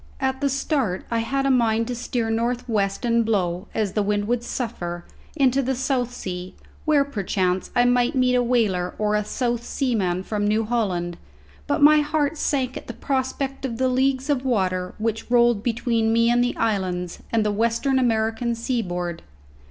At the start I had a mind to steer north west and blow, as the wind would suffer, into the South Sea, where perchance I might meet a whaler or a Southseaman from New Holland; but my heart sank at the prospect of the leagues of water which rolled between me and the islands and the western American seaboard.